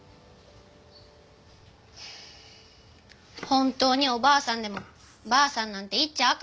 本当におばあさんでもばあさんなんて言っちゃアカンの。